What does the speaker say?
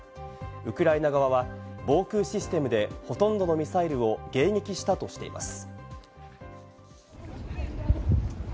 ウクライナ側は防空システムでほとんどのミサイルを迎撃したとしています。